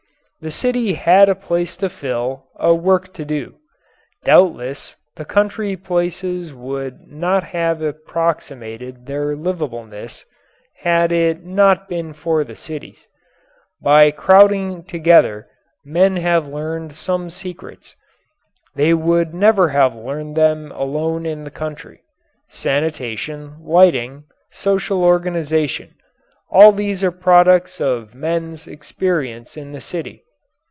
The city had a place to fill, a work to do. Doubtless the country places would not have approximated their livableness had it not been for the cities. By crowding together, men have learned some secrets. They would never have learned them alone in the country. Sanitation, lighting, social organization all these are products of men's experience in the city.